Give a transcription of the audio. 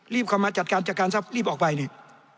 รีบเขามาจัดการจัดการซะรีบออกไปเนี่ย